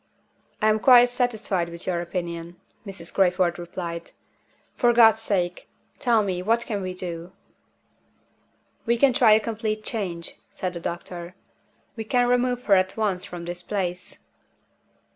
"I am quite satisfied with your opinion," Mrs. Crayford replied. "For God's sake, tell me, what can we do?" "We can try a complete change," said the doctor. "We can remove her at once from this place."